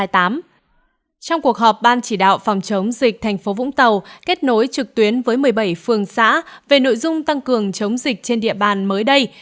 trong cuộc họp ban chỉ đạo phòng chống dịch thành phố vũng tàu kết nối trực tuyến với một mươi bảy phường xã về nội dung tăng cường chống dịch trên địa bàn mới đây